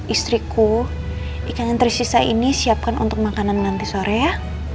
istriku ikan yang tersisa ini siapkan untuk makanan nanti sore ya